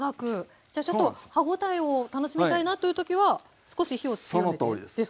じゃちょっと歯応えを楽しみたいなという時は少し火を強めてですか？